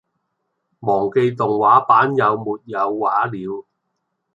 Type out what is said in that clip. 忘記動畫版有沒有畫了